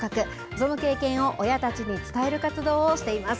その経験を親たちに伝える活動をしています。